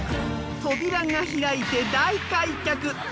扉が開いて大開脚。